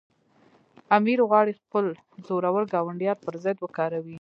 امیر غواړي خپل زورور ګاونډیان پر ضد وکاروي.